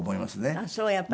あっそうやっぱり。